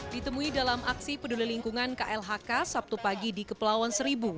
ditemui dalam aksi peduli lingkungan klhk sabtu pagi di kepulauan seribu